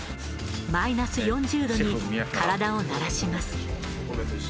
マイナス４０℃に体を慣らします。